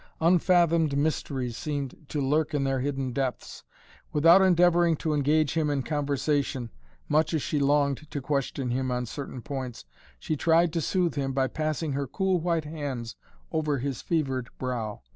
Unfathomed mysteries seemed to lurk in their hidden depths. Without endeavoring to engage him in conversation, much as she longed to question him on certain points, she tried to soothe him by passing her cool white hands over his fevered brow.